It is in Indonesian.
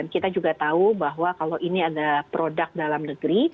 kita juga tahu bahwa kalau ini ada produk dalam negeri